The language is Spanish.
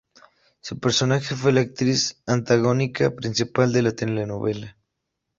Su personaje fue la Actriz Antagónica Principal de la Telenovela